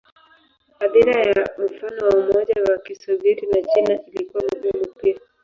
Athira ya mfano wa Umoja wa Kisovyeti na China ilikuwa muhimu pia.